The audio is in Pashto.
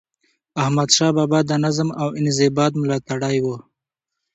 احمدشاه بابا د نظم او انضباط ملاتړی و.